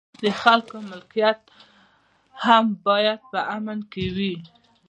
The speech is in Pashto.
د خلکو ملکیت هم باید په امن کې وي.